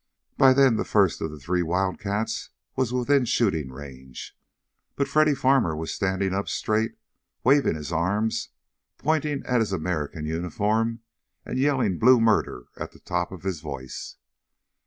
By then the first of the three Wildcats was within shooting range, but Freddy Farmer was standing up straight, waving his arms, pointing at his American uniform, and yelling blue murder at the top of his voice.